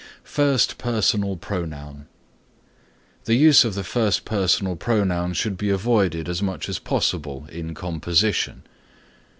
FIRST PERSONAL PRONOUN The use of the first personal pronoun should be avoided as much as possible in composition.